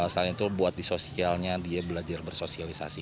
selain itu buat di sosialnya dia belajar bersosialisasi